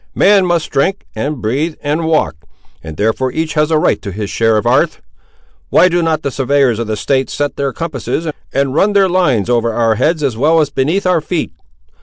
Man must drink, and breathe, and walk,—and therefore each has a right to his share of 'arth. Why do not the surveyors of the States set their compasses and run their lines over our heads as well as beneath our feet?